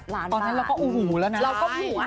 ๑๐๘ล้านบาท